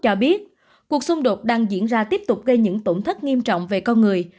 cho biết cuộc xung đột đang diễn ra tiếp tục gây những tổn thất nghiêm trọng về con người